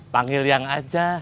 panggil yang aja